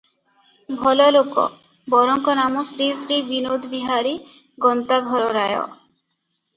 ଭଲଲୋକ- ବରଙ୍କ ନାମ ଶ୍ରୀ ଶ୍ରୀ ବିନୋଦବିହାରୀ ଗନ୍ତାଘରରାୟ ।